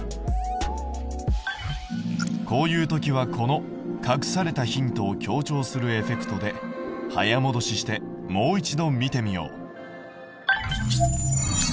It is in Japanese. こういう時はこの隠されたヒントを強調するエフェクトで早もどししてもう一度見てみよう。